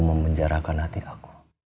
memenjarakan hati aku